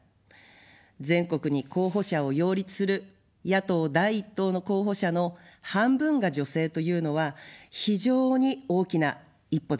全国に候補者を擁立する野党第１党の候補者の半分が女性というのは非常に大きな一歩です。